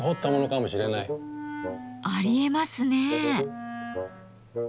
ありえますね。